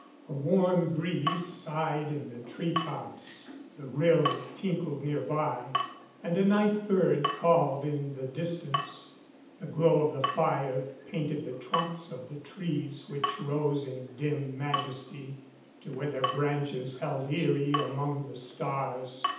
A warm breeze sighed in the tree tops, the rill tinkled nearby, and a night bird called in the distance. The glow of the fire painted the trunks of the trees which rose in dim majesty to where their branches held eyrie among the stars.